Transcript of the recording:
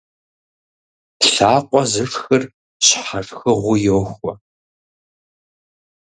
Лъакъуэ зышхыр щхьэ шхыгъуи йохуэ.